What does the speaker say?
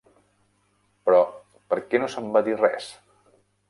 Però per què no se me'n va dir res?